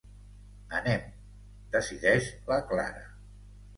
Anem, decideix la Clara.